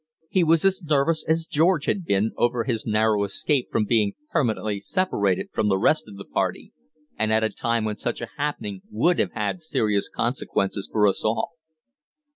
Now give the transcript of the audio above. He was as nervous as George had been over his narrow escape from being permanently separated from the rest of the party, and at a time when such a happening would have had serious consequences for us all.